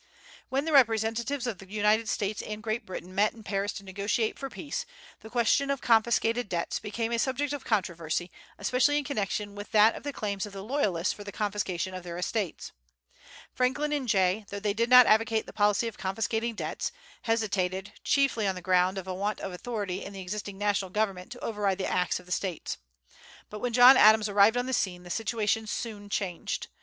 When the representatives of the United States and Great Britain met in Paris to negotiate for peace, the question of the confiscated debts became a subject of controversy, especially in connection with that of the claims of the loyalists for the confiscation of their estates. Franklin and Jay, though they did not advocate the policy of confiscating debts, hesitated, chiefly on the ground of a want of authority in the existing national government to override the acts of the States. But when John Adams arrived on the scene, the situation soon changed.